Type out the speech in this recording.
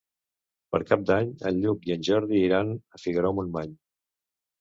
Per Cap d'Any en Lluc i en Jordi iran a Figaró-Montmany.